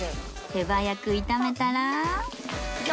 手早く炒めたら